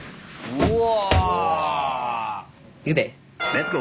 うわ！